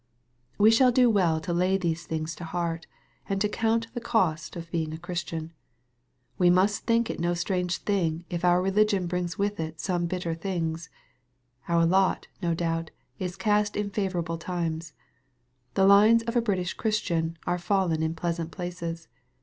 We shall do well to lay these things^to heart, and to " count the cost" of being a Christian. We must think it no strange thing if our religion brings with it some bit ter things. Our lot, no doubt, is cast in favorable times. The lines of a British Christian are fallen in pleasant places.